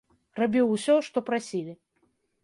Рабіў усё, што прасілі.